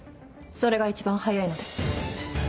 それが一番早いので。